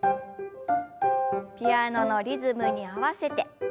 ピアノのリズムに合わせて。